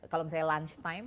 kalau misalnya lunch time